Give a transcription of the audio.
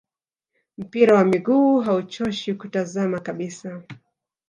Mpira wa miguu hauchoshi kutazama kabisa